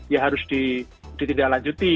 ya harus ditindaklanjuti